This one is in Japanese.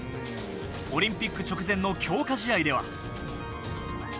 オリンピック直前の強化試合では。